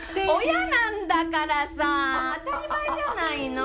親なんだからさ当たり前じゃないの？